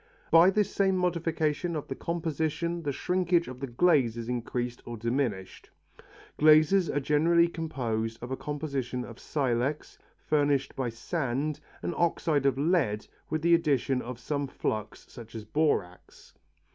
By this same modification of the composition the shrinkage of the glaze is increased or diminished. Glazes are generally composed of a combination of silex, furnished by sand, and oxide of lead with the addition of some flux such as borax.